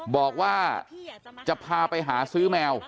บอกว่าจะพาไปหาซื้อแมว